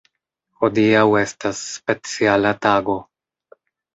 Hodiaŭ estas speciala tago.